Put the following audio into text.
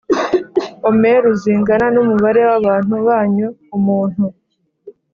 Omeru zingana n umubare w abantu banyu umuntu